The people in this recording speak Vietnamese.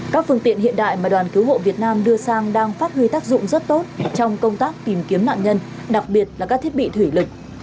các phương tiện hiện đại mà đoàn cứu hộ việt nam đưa sang đang phát huy tác dụng rất tốt trong công tác tìm kiếm nạn nhân đặc biệt là các thiết bị thủy lực